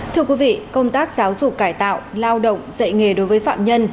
thưa quý vị công tác giáo dục cải tạo lao động dạy nghề đối với phạm nhân